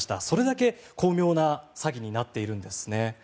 それだけ巧妙な詐欺になっているんですね。